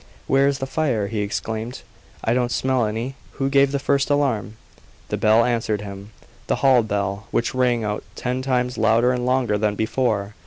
"Where is the fire?" he exclaimed. "I don't smell any. Who gave the first alarm?" The bell answered him. The hall bell, which rang out ten times louder and longer than before.